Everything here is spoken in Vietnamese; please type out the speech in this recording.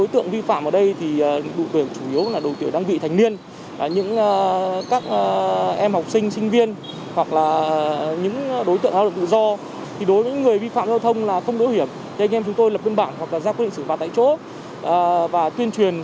thì anh em chúng tôi lập biên bản hoặc là ra quy định xử phạt tại chỗ và tuyên truyền